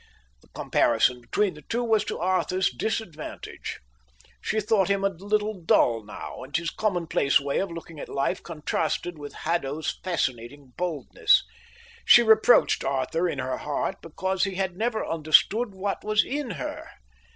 The comparison between the two was to Arthur's disadvantage. She thought him a little dull now, and his commonplace way of looking at life contrasted with Haddo's fascinating boldness. She reproached Arthur in her heart because he had never understood what was in her.